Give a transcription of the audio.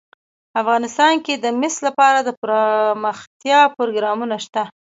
افغانستان کې د مس لپاره دپرمختیا پروګرامونه شته.